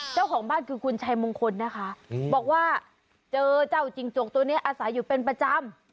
เจ้าของบ้านคือคุณชัยมงคลนะคะบอกว่าเจอเจ้าจิงจกตัวนี้อาศัยอยู่เป็นประจำ